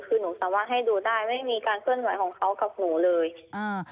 คือหนูสามารถให้ดูได้ไม่มีการเคลื่อนไหวของเขากับหนูเลยอ่า